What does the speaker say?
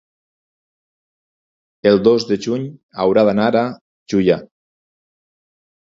el dos de juny hauria d'anar a Juià.